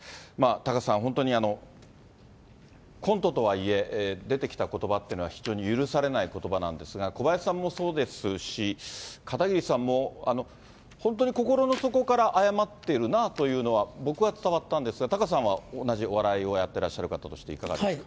タカさん、本当にコントとはいえ、出てきたことばというのは、非常に許されないことばなんですが、小林さんもそうですし、片桐さんも、本当に心の底から謝ってるなぁというのは、僕は伝わったんですが、タカさんは、同じお笑いをやってらっしゃる方としていかがですか？